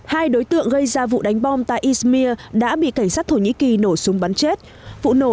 hai đối tượng gây ra vụ đánh bom tại ishmir đã bị cảnh sát thổ nhĩ kỳ nổ súng bắn chết vụ nổ